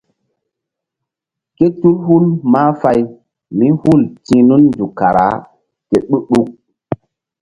Ké tul hul mahfay mí hul ti̧h nun nzuk kara ke ɗu-ɗuk.